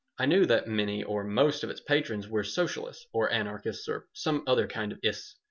I knew that many or most of its patrons were Socialists or anarchists or some other kind of "ists."